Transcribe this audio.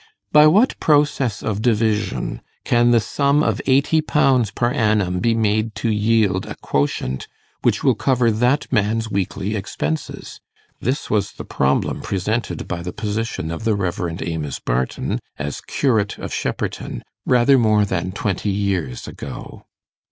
By what process of division can the sum of eighty pounds per annum be made to yield a quotient which will cover that man's weekly expenses? This was the problem presented by the position of the Rev. Amos Barton, as curate of Shepperton, rather more than twenty years ago.